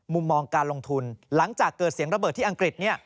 มุมมองการลงทุนหลังจากเกิดเสียงระเบิดที่อังกฤษ